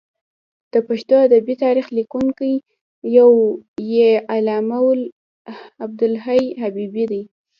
د پښتو ادبي تاریخ لیکونکی یو یې علامه عبدالحی حبیبي دی.